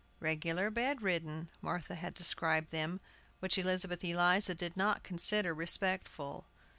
"Regular bed ridden," Martha had described them, which Elizabeth Eliza did not consider respectful.